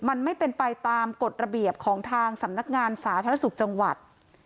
มันไม่เป็นไปตามกฎระเบียบของทางสำนักงานสาธารณสุขจังหวัด